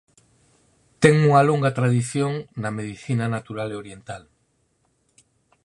Ten unha longa tradición na medicina natural oriental.